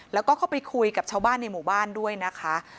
แล้วก็เข้าไปคุยกับชาวบ้านในหมู่บ้านด้วยนะคะ